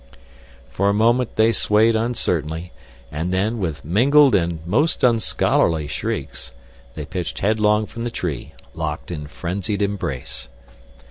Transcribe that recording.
For a moment they swayed uncertainly, and then, with mingled and most unscholarly shrieks, they pitched headlong from the tree, locked in frenzied embrace.